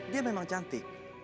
dia memang cantik